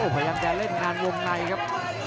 พยายามจะเล่นงานวงในครับ